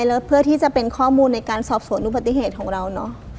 แล้วเพื่อที่จะเป็นข้อมูลในการสอบสวนอุบัติเหตุของเราเนอะ